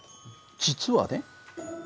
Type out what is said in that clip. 実はね